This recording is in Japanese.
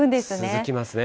続きますね。